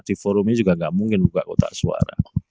di forumnya juga nggak mungkin buka kotak suara